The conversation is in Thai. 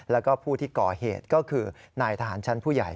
แล้วก็ผู้ที่ก่อเหตุก็คือนายทหารชั้นผู้ใหญ่